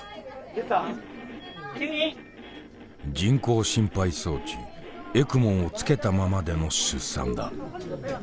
人工心肺装置ＥＣＭＯをつけたままでの出産だ。